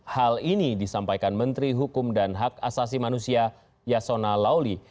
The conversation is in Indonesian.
hal ini disampaikan menteri hukum dan hak asasi manusia yasona lauli